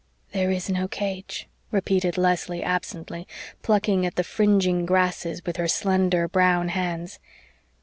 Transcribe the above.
"There is no cage," repeated Leslie absently, plucking at the fringing grasses with her slender, brown hands.